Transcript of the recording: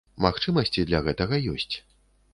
Магчымасці для гэтага ёсць.